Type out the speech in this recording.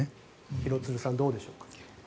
廣津留さんどうでしょう。